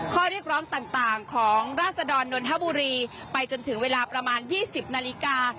ข้อเรียกร้องต่างของราศดรนนทบุรีไปจนถึงเวลาประมาณ๒๐นาฬิกา